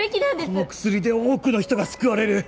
この薬で多くの人が救われる